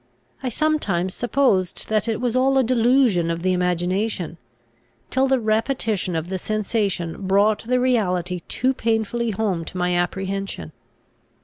I sometimes supposed that it was all a delusion of the imagination; till the repetition of the sensation brought the reality too painfully home to my apprehension.